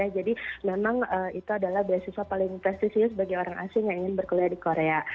jadi memang itu adalah beasiswa paling prestisius bagi orang asing yang ingin berkuliah di korea